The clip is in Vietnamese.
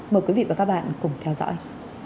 mời quý vị và các bạn cùng theo dõi